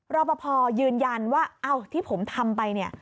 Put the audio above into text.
รอปภยืนยันว่าที่ผมทำไป